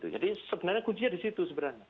jadi sebenarnya kuncinya disitu